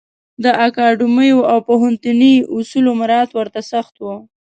د اکاډمیو او پوهنتوني اصولو مرعات ورته سخت و.